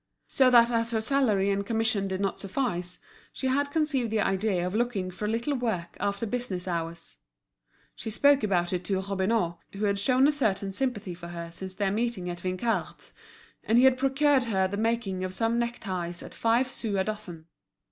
So that as her salary and commission did not suffice, she had conceived the idea of looking for a little work after business hours. She spoke about it to Robineau, who had shown a certain sympathy for her since their meeting at Vinçard's, and he had procured her the making of some neckties at five sous a dozen.